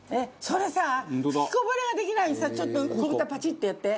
それさ吹きこぼれができないようにさちょっと小ブタパチッとやって。